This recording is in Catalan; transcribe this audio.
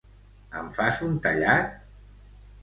Em fas un tallat?